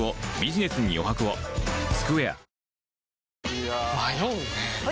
いや迷うねはい！